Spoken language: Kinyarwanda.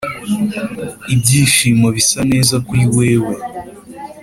ibyishimo bisa neza kuri wewe.